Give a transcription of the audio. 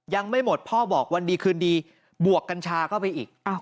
ยังไม่หมดพ่อบอกวันดีคืนดีบวกกัญชาเข้าไปอีก